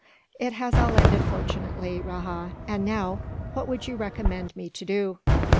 "It has all ended fortunately, Rajah; and now, what would you recommend me to do?"